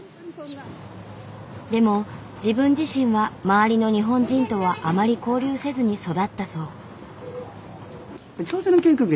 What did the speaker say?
でも自分自身は周りの日本人とはあまり交流せずに育ったそう。